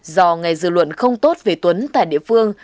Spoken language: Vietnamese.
do ngày dư luận không tốt về tuấn tại địa phương